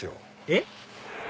えっ？